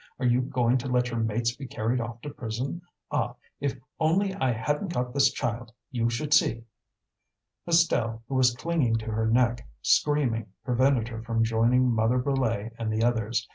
Are you going to let your mates be carried off to prison? Ah! if only I hadn't got this child, you should see!" Estelle, who was clinging to her neck, screaming, prevented her from joining Mother Brulé and the others.